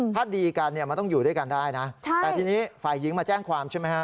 ถ้าดีกันเนี่ยมันต้องอยู่ด้วยกันได้นะแต่ทีนี้ฝ่ายหญิงมาแจ้งความใช่ไหมฮะ